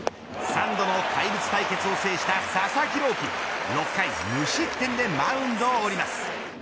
３度の怪物対決を制した佐々木朗希６回無失点でマウンドを降ります。